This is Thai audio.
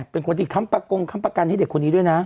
เป็นคนที่ทำประกันให้เด็กคนนี้ด้วยนะ